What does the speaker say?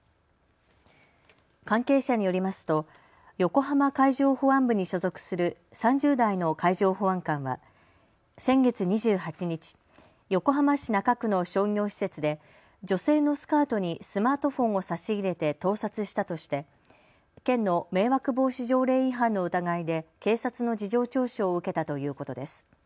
関係者によりますと横浜海上保安部に所属する３０代の海上保安官は先月２８日、横浜市中区の商業施設で女性のスカートにスマートフォンを差し入れて盗撮したとして県の迷惑防止条例違反の疑いで警察の事情聴取を受けたということです。